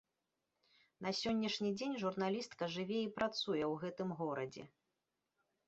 На сённяшні дзень журналістка жыве і працуе ў гэтым горадзе.